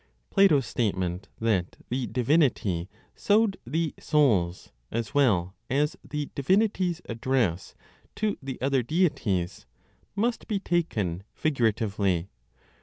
Plato's statement that the divinity sowed the souls, as well as the divinity's address to the other deities, must be taken figuratively.